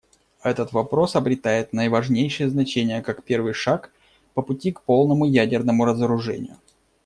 Этот вопрос обретает наиважнейшее значение как первый шаг по пути к полному ядерному разоружению.